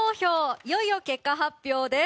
いよいよ結果発表です。